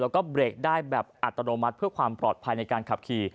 แล้วก็เบรกได้แบบอัตโนมัติเพื่อความปลอดภัยในการขับขี่